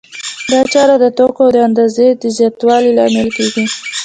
دا چاره د توکو د اندازې د زیاتوالي لامل کېږي